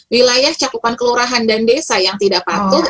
wilayah cakupan kelurahan dan desa yang tidak patuh